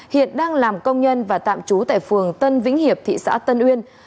hiện đang làm công nhân và tạm trú tại phường tân vĩnh hiệp thị xã tân uyên